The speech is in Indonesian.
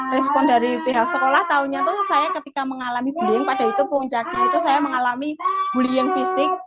respon dari pihak sekolah taunya tuh saya ketika mengalami bullying pada itu pungcaki itu saya mengalami bullying fisik